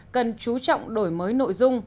cần chú trọng đổi mới nội dung